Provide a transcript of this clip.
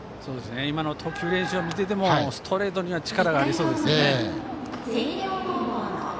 今の投球練習を見ていてもストレートには力がありそうですね。